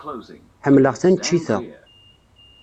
Ḥemmleɣ taneččit-a.